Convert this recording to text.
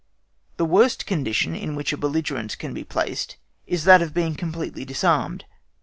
The worst condition in which a belligerent can be placed is that of being completely disarmed.